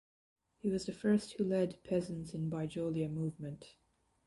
He was the first who led peasants in Bijolia movement.